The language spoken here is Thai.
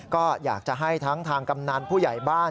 ก็อยากจะให้ทั้งทางกำนันผู้ใหญ่บ้าน